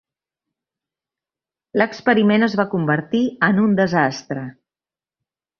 L'experiment es va convertir en un desastre.